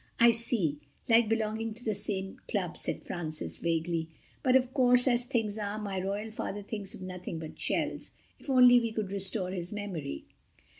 "I see: like belonging to the same club," said Francis vaguely. "But, of course, as things are, my royal Father thinks of nothing but shells—if only we could restore his memory...."